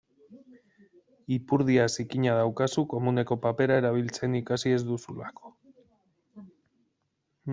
Ipurdia zikina daukazu komuneko papera erabiltzen ikasi ez duzulako.